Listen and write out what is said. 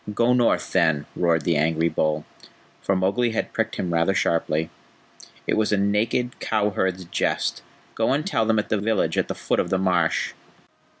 "Go north, then," roared the angry bull, for Mowgli had pricked him rather sharply. "It was a naked cow herd's jest. Go and tell them at the village at the foot of the marsh."